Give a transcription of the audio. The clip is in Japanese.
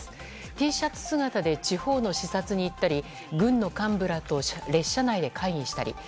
Ｔシャツ姿で地方の視察に行ったり軍の幹部らと列車内で会議したり。